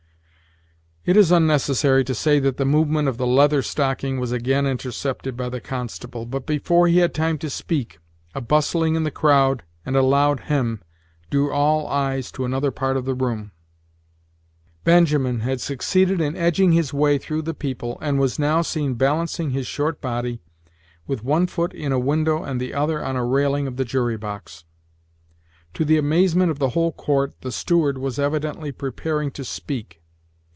It is unnecessary to say that the movement of the Leather Stocking was again intercepted by the constable; but, before he had time to speak, a bustling in the crowd, and a loud hem, drew all eyes to another part of the room. Benjamin had succeeded in edging his way through the people, and was now seen balancing his short body, with one foot in a window and the other on a railing of the jury box. To the amazement of the whole court, the steward was evidently preparing to speak.